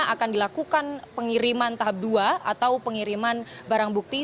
akan dilakukan pengiriman tahap dua atau pengiriman barang bukti